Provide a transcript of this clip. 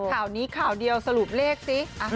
ข่าวนี้ข่าวเดียวสรุปเลขสิ